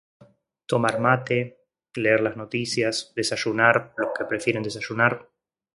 Tomar mate, leer las noticias, desayunar lo que prefieren desayunar.